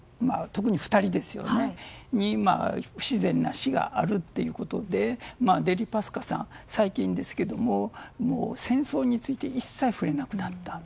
その２人の不自然な死があるということでデリパスカさん、最近ですけど戦争について一切、触れなくなった。